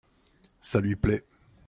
ça lui plait.